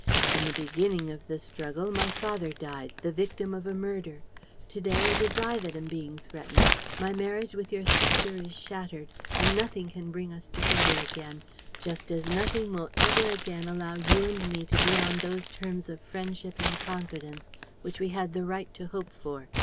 In the beginning of the struggle, my father died, the victim of a murder. To day it is I that am being threatened. My marriage with your sister is shattered and nothing can bring us together again, just as nothing will ever again allow you and me to be on those terms of friendship and confidence which we had the right to hope for.